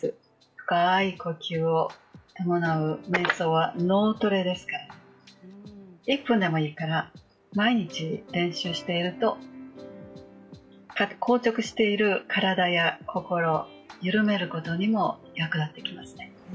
深い呼吸を伴うめい想は脳トレですから、１分でもいいから毎日練習していると硬直している体や心、緩めることにも役立ってきますね。